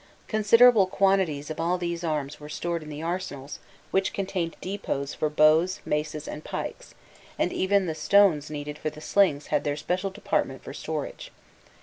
Considerable quantities of all these arms were stored in the arsenals, which contained depots for bows, maces, and pikes, and even the stones needed for the slings had their special department for storage.